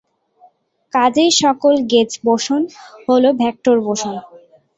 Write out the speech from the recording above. কাজেই, সকল gauge boson হলো ভেক্টর বোসন।